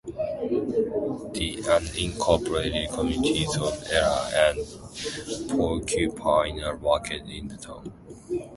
The unincorporated communities of Ella, and Porcupine are located in the town.